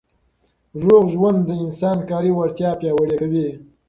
روغ ژوند د انسان کاري وړتیا پیاوړې کوي.